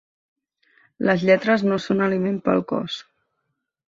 Les lletres no són aliment per al cos.